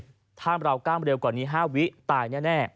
ถ้าเรากล้ามเร็วกว่านี้๕วิตายแน่